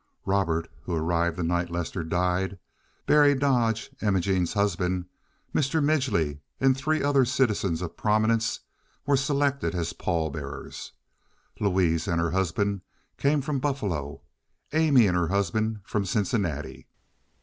Robert, who arrived the night Lester died; Berry Dodge, Imogene's husband; Mr. Midgely, and three other citizens of prominence were selected as pall bearers. Louise and her husband came from Buffalo; Amy and her husband from Cincinnati.